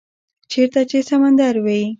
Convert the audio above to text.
- چیرته چې سمندر وی،